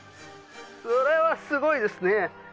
これはすごいですね